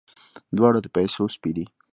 دواړه د پيسو سپي دي.